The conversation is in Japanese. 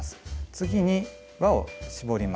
次に輪を絞ります。